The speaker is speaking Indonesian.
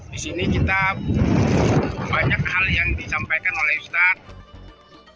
di sini kita banyak hal yang disampaikan oleh ustadz